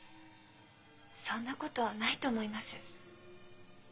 そんなことないと思います。